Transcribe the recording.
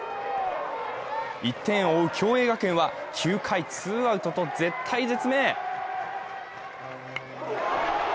１点を追う共栄学園は９回ツーアウトと絶体絶命。